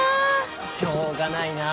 しょうがないなあ。